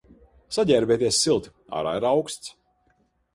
Saģērbieties silti, ārā ir auksts.